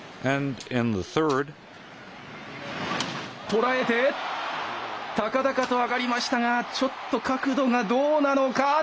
捉えて、高々と上がりましたが、ちょっと角度がどうなのか。